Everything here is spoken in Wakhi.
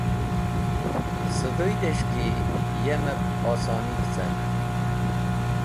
Sẽdhũydẽs̃h ki yemẽb osonig̃h cart?